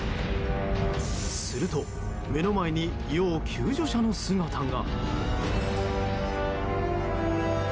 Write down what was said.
すると目の前に要救助者の姿が。